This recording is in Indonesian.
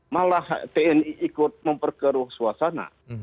malah tni ikut memperkeruh suasana